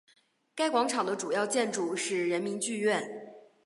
该广场的主要建筑是人民剧院。